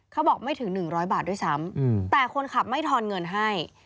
เขาบอกไม่ถึง๑๐๐บาทด้วยซ้ำแต่คนขับไม่ทอนเงินให้